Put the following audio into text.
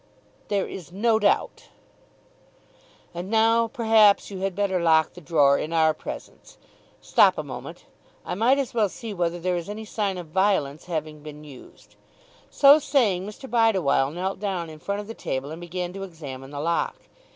"There is no doubt." "And now perhaps you had better lock the drawer in our presence. Stop a moment I might as well see whether there is any sign of violence having been used." So saying Mr. Bideawhile knelt down in front of the table and began to examine the lock.